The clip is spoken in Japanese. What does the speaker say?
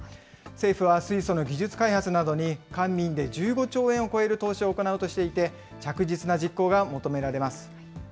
政府は水素の技術開発などに官民で１５兆円を超える投資を行うとしていて、着実な実行が求められます。